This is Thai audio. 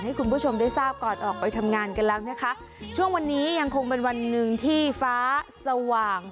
ให้คุณผู้ชมได้ทราบก่อนออกไปทำงานกันแล้วนะคะช่วงวันนี้ยังคงเป็นวันหนึ่งที่ฟ้าสว่าง